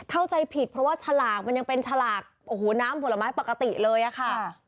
เข้าใจผิดเพราะว่าฉลากมันยังเป็นฉลากโอ้โหน้ำผลไม้ปกติเลยอะค่ะ